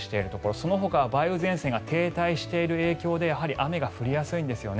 そのほかは梅雨前線が停滞している影響で雨が降りやすいんですよね。